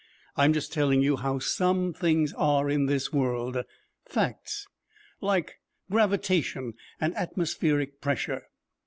I'm just telling you how some things are in this world, facts, like gravitation and atmospheric pressure.